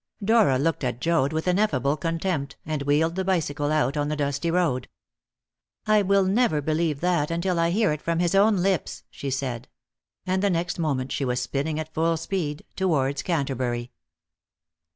Dora looked at Joad with ineffable contempt, and wheeled the bicycle out on the dusty road. "I will never believe that until I hear it from his own lips," she said. And the next moment she was spinning at full speed towards Canterbury.